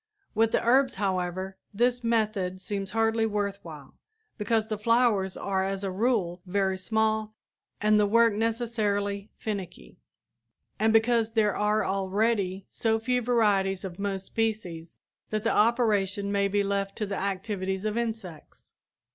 With the herbs, however, this method seems hardly worth while, because the flowers are as a rule very small and the work necessarily finicky, and because there are already so few varieties of most species that the operation may be left to the activities of insects.